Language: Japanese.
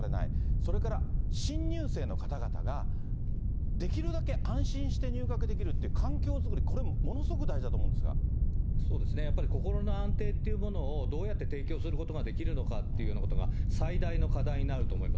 それから、新入生の方々が、できるだけ安心して入学できるっていう環境作り、これ、ものすごそうですね、やっぱり心の安定というものを、どうやって提供することができるのかというようなことが、最大の課題になると思います。